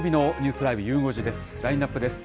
ラインナップです。